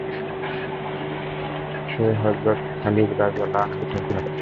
সে হযরত খালিদ রাযিয়াল্লাহু আনহু-কে চিনে ফেলে।